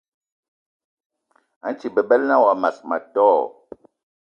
A nti bebela na wa mas ma tó?